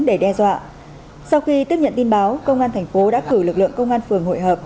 để đe dọa sau khi tiếp nhận tin báo công an thành phố đã cử lực lượng công an phường hội hợp